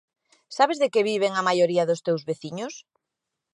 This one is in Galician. Sabes de que vive a maioría dos teus veciños?